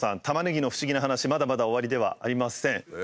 タマネギの不思議な話まだまだ終わりではありません。